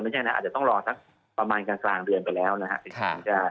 ไม่ใช่นะอาจจะต้องรอสักประมาณกลางเดือนไปแล้วนะครับ